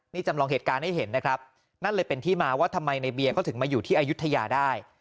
นี่จำลองเหตุการณ์ให้เห็นนะครับนั่นเลยเป็นที่มาว่าทำไมในเบียร์เขาถึงมาอยู่ที่อายุทยาได้